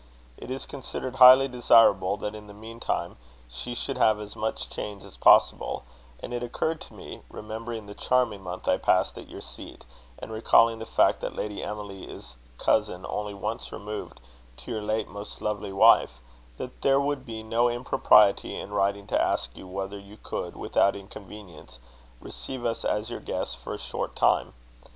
It is considered highly desirable that in the meantime she should have as much change as possible; and it occurred to me, remembering the charming month I passed at your seat, and recalling the fact that Lady Emily is cousin only once removed to your late most lovely wife, that there would be no impropriety in writing to ask you whether you could, without inconvenience, receive us as your guests for a short time.